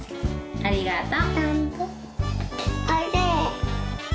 ありがとう。